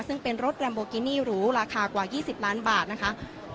ซึ่งเป็นรถหรือราคากว่ายี่สิบล้านบาทนะคะ